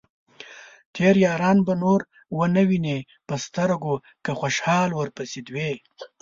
تېر ياران به نور ؤنه وينې په سترګو ، که خوشال ورپسې دوې